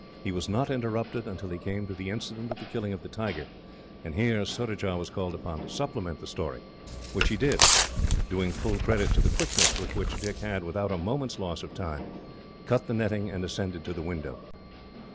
He was not interrupted, until he came to the incident of the killing of the tiger, and here Surajah was called upon to supplement the story, which he did, doing full credit to the quickness with which Dick had, without a moment's loss of time, cut the netting and ascended to the window.